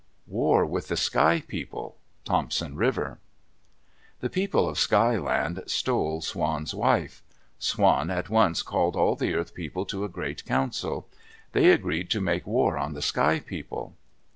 WAR WITH THE SKY PEOPLE Thompson River The people of Sky Land stole Swan's wife. Swan at once called all the Earth People to a great council. They agreed to make war on the Sky People.